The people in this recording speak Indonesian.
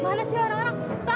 ibu jangan lalang ibu